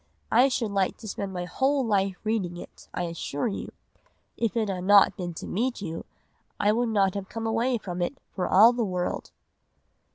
I should like to spend my whole life in reading it, I assure you; if it had not been to meet you I would not have come away from it for all the world.